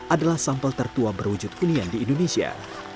adalah sampel tertua berwujud hunian di indonesia